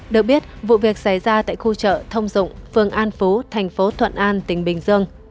được biết vụ việc xảy ra tại khu chợ thông dụng phường an phú thành phố thuận an tỉnh bình dương